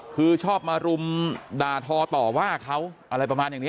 คือชอบมารุมด่าทอต่อว่าเขาอะไรประมาณอย่างนี้